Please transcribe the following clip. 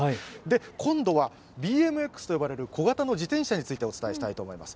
今度はＢＭＸと呼ばれる小型の自転車についてお伝えしたいと思います。